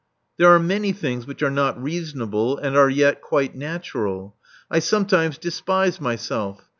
There are many things which are not reasonable, and are yet quite natural. I sometimes despise my self.